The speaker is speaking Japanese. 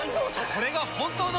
これが本当の。